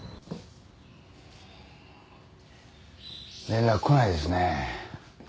連絡こないですね。